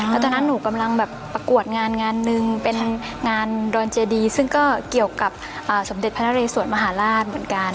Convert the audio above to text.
แล้วตอนนั้นหนูกำลังแบบประกวดงานงานหนึ่งเป็นงานดอนเจดีซึ่งก็เกี่ยวกับสมเด็จพระนเรสวรมหาราชเหมือนกัน